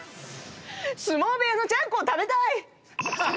相撲部屋のちゃんこを食べたい！